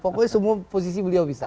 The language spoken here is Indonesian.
pokoknya semua posisi beliau bisa